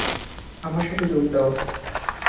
আমার সাথে যোগ দাও।